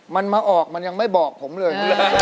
มันมาออกมันยังไม่บอกผมเลย